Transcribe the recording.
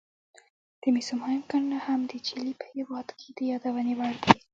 د مسو مهم کانونه هم د چیلي په هېواد کې د یادونې وړ دي.